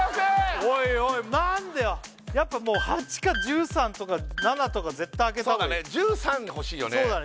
おいおい何でよやっぱもう８か１３とか７とか絶対開けたほうがいいそうだね